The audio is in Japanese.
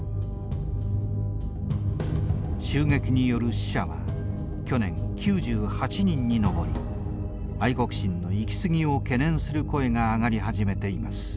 襲撃による死者は去年９８人に上り愛国心の行き過ぎを懸念する声が上がり始めています。